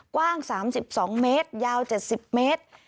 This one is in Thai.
กว้าง๓๒เมตรยาว๗๐เมตร